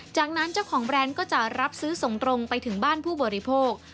จากนั้นเจ้าของแบรนด์ก็จะรับซื้อส่งตรงไปถึงบ้านผู้บริโภค